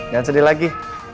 jangan sedih lagi